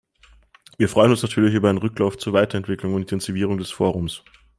Wir freuen uns natürlich über einen Rücklauf zur Weiterentwicklung und Intensivierung des Forums.